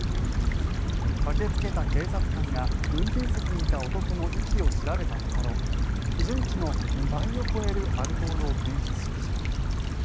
駆けつけた警察官が運転席にいた男の息を調べたところ基準値の２倍を超えるアルコールを検出しました。